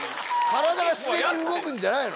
体が自然に動くんじゃないの？